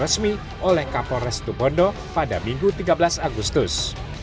pemain tersebut diperkenalkan oleh kapol restubondo pada minggu tiga belas agustus